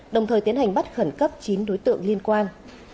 đồng thời tiến hành bắt khẩn cấp chín đối tượng liên quan